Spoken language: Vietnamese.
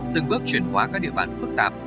từng bước chuyển hóa các địa bản phức tạp